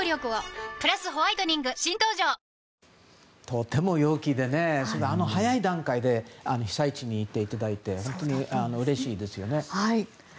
とても陽気で早い段階で被災地に行っていただいて本当にうれしいですよね。